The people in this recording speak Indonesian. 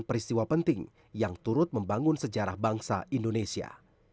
peristiwa penting yang turut membangun sejarah bangsa indonesia